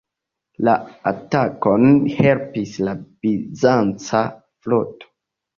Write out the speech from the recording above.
La atakon helpis la bizanca floto.